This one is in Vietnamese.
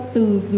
đến chủ đề chính